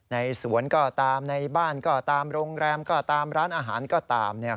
ในสวนก็ตามในบ้านก็ตามโรงแรมก็ตามร้านอาหารก็ตามเนี่ย